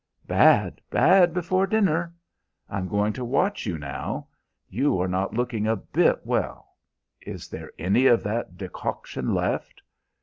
Bad, bad before dinner! I'm going to watch you now. You are not looking a bit well. Is there any of that decoction left?